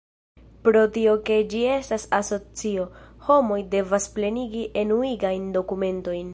Pro tio ke ĝi estas asocio, homoj devas plenigi enuigajn dokumentojn.